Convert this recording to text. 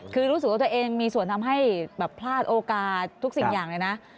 คือรู้สึกว่าตัวเองมีส่วนทำให้แบบพลาดโอกาสทุกสิ่งอย่างเลยนะ